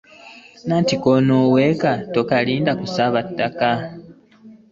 Anti K’onooweeka, tokalinda kusaaba ttaka!